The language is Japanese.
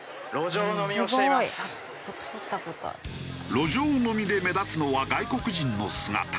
路上飲みで目立つのは外国人の姿。